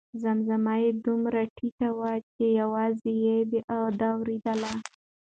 زمزمه یې دومره ټیټه وه چې یوازې ده اورېدله.